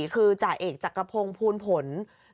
คือจ่าเอกจักรพงศ์ภูลผล